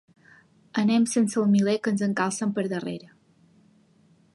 Anem sense el miler que ens encalcen per darrere.